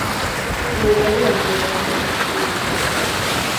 Baina zer dira mendiko kokotxak txirrindulariarentzat?